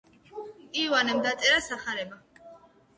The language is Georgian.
იოანემ დაწერა სახარება.